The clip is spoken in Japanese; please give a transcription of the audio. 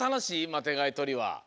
マテがいとりは。